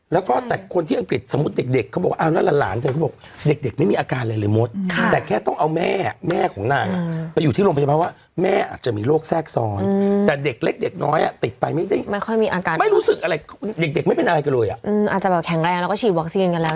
แล้วก็แต่คนที่อังกฤษสมมุติเด็ดเด็กเขาบอก